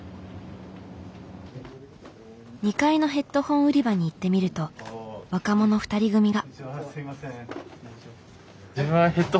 ２階のヘッドホン売り場に行ってみると若者２人組が。